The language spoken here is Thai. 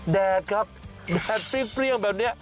แดดครับแดดเปรี้ยงแบบนี้